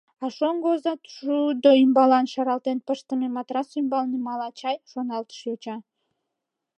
А шоҥго оза шудо ӱмбалан шаралтен пыштыме матрас ӱмбалне мала чай, шоналтыш йоча.